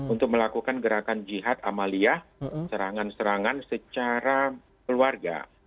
untuk melakukan gerakan jihad amaliyah serangan serangan secara keluarga